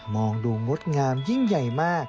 มองโดรนกดงามยิ่งใหญ่มาก